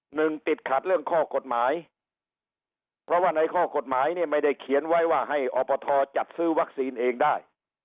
หนึ่งติดขัดเรื่องข้อกฎหมายเพราะว่าในข้อกฎหมายเนี่ยไม่ได้เขียนไว้ว่าให้อบทจัดซื้อวัคซีนเองได้